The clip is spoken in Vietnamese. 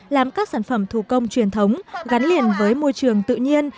làm các sản phẩm thủ công truyền thống gắn liền với môi trường tự nhiên